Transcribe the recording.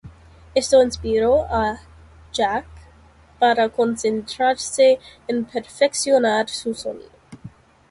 Esto inspiró a Jack para concentrarse en perfeccionar su sonido.